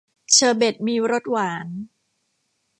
เชอร์เบทมีรสหวาน